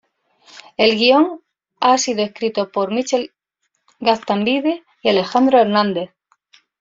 El guion ha sido escrito por Michel Gaztambide y Alejandro Hernández.